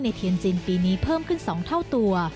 เทียนจีนปีนี้เพิ่มขึ้น๒เท่าตัว